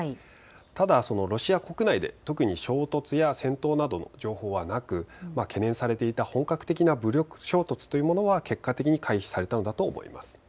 ただロシア国内で特に衝突や戦闘などの情報はなく懸念されていた本格的な武力衝突というものは結果的に回避されたのだと思います。